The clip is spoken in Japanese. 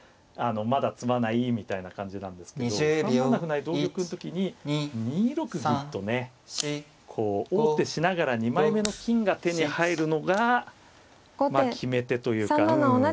まだ詰まないみたいな感じなんですけど３七歩成同玉の時に２六銀とね王手しながら２枚目の金が手に入るのがまあ決め手というか。